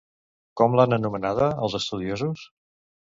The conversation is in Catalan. Com l'han anomenada els estudiosos?